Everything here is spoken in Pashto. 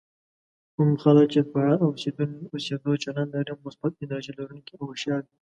کوم خلک چې فعال اوسېدو چلند لري مثبت، انرژي لرونکي او هوښيار وي.